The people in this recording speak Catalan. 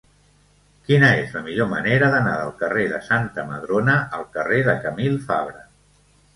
Quina és la millor manera d'anar del carrer de Santa Madrona al carrer de Camil Fabra?